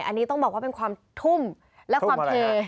อันนี้ต้องบอกว่าเป็นความทุ่มและความเท